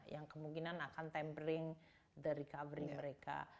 yang kemungkinan akan tempering the recovery mereka